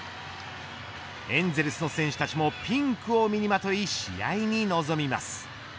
エンゼルスの選手たちもピンクを身にまとい試合に臨みます。